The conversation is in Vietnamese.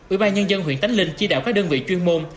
ủy ban nhân dân huyện tánh linh chỉ đạo các đơn vị chuyên môn